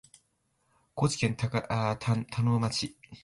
高知県田野町